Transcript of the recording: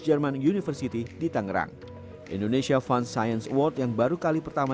jerman university di tangerang indonesia fund science award yang baru kali pertama